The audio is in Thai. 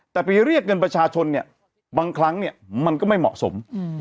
แต่ไปเรียกเงินประชาชนเนี่ยบางครั้งเนี่ยมันก็ไม่เหมาะสม